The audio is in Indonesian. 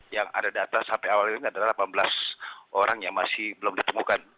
yang ada data sampai awal ini adalah delapan belas orang yang masih belum ditemukan